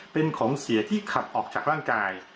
เป็นของเสียที่ขับออกจากร่างกาย